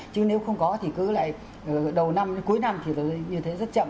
chứ nếu không có thì cứ lại đầu năm đến cuối năm thì như thế rất chậm